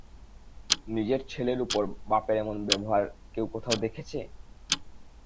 নিজের ছেলের উপর বাপের এমন ব্যবহার কেউ কোথাও দেখেছে?